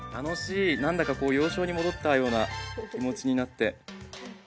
何だか幼少に戻ったような気持ちになって。